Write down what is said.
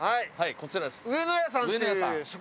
こちらです。